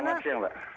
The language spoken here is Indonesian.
selamat siang mbak